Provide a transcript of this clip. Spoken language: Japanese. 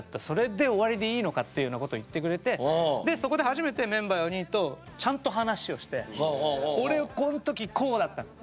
それで終わりでいいのか？」っていうようなことを言ってくれてそこで初めてメンバー４人とちゃんと話をして「俺こん時こうだった」。